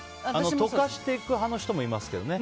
溶かしていく派の人もいますけどね。